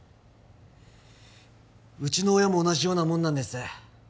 ウチの親も同じようなもんなんです